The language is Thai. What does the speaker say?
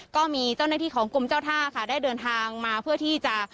ก็มีเจ้าหน้าที่ของกรมเจ้าท่าค่ะได้เดินทางมาเพื่อที่จะ